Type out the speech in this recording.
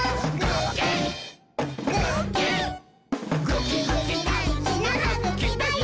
ぐきぐきだいじなはぐきだよ！」